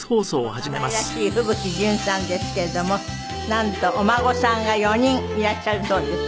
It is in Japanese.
いつも可愛らしい風吹ジュンさんですけれどもなんとお孫さんが４人いらっしゃるそうです。